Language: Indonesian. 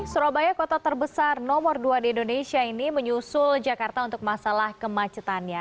surabaya kota terbesar nomor dua di indonesia ini menyusul jakarta untuk masalah kemacetannya